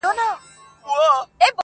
خوب مي وتښتي ستا خیال لکه غل راسي-